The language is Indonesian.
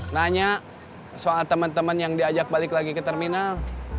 nanya soal teman teman yang diajak balik lagi ke terminal